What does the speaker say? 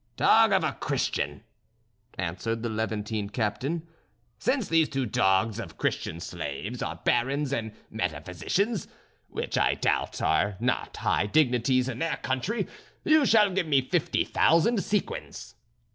"Dog of a Christian," answered the Levantine captain, "since these two dogs of Christian slaves are barons and metaphysicians, which I doubt not are high dignities in their country, you shall give me fifty thousand sequins."